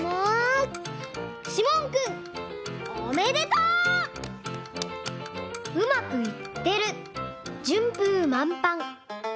「うまくいってる！順風満帆」。